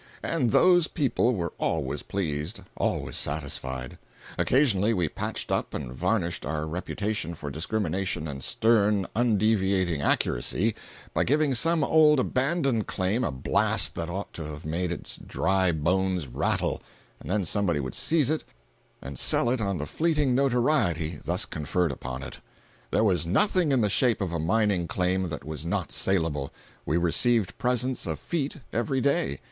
And those people were always pleased, always satisfied. Occasionally we patched up and varnished our reputation for discrimination and stern, undeviating accuracy, by giving some old abandoned claim a blast that ought to have made its dry bones rattle—and then somebody would seize it and sell it on the fleeting notoriety thus conferred upon it. There was nothing in the shape of a mining claim that was not salable. We received presents of "feet" every day.